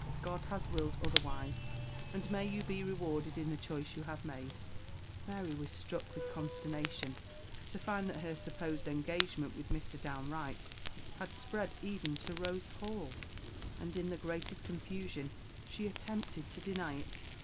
God has willed otherwise, an may you be rewarded in the choice you have made!" Mary was struck with consternation to find that her supposed engagement with Mr. Downe Wright had spread even to Rose Hall; and in the greatest confusion she attempted to deny it.